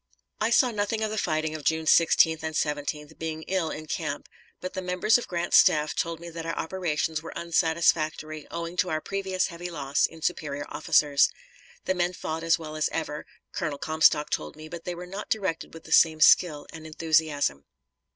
I saw nothing of the fighting of June 16th and 17th, being ill in camp, but the members of Grant's staff told me that our operations were unsatisfactory, owing to our previous heavy loss in superior officers. The men fought as well as ever, Colonel Comstock told me, but they were not directed with the same skill and enthusiasm.